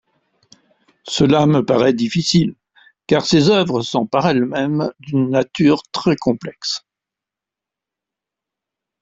Cela me paraît difficile, car ces oeuvres sont par elles-mêmes d'une nature très complexe.